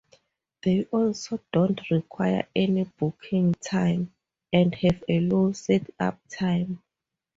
They also don't require any booking time, and have a low setup time.